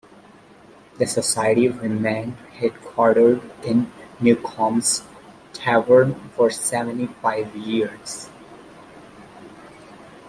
The society remained headquartered in Newcom's Tavern for seventy-five years.